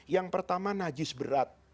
yang pertama najis berat